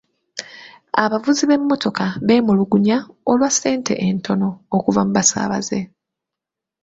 Abavuzi b'emmotoka beemulugunya olwa ssente entono okuva mu basaabaze.